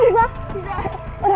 gue bapak lo ya